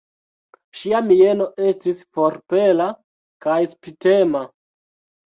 Ŝia mieno estis forpela kaj spitema.